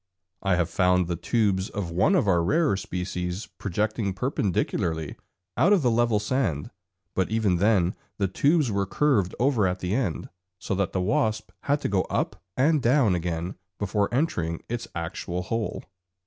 I have found the tubes of one of our rarer species projecting perpendicularly out of the level sand, but even then the tubes were curved over at the end, so that the wasp had to go up and down again before entering its actual hole.